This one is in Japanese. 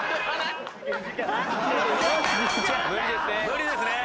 無理ですね。